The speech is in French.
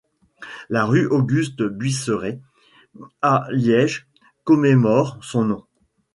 La rue Auguste Buisseret à Liège commémore son nom.